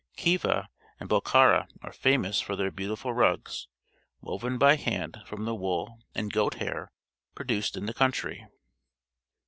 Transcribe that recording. Khiva and Bokhara are famous for their beautiful rugs, woven bj^ hand from the wool and goat hair produced in the country.